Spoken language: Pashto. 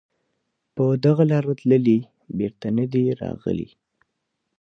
په دغه لاره تللي بېرته نه دي راغلي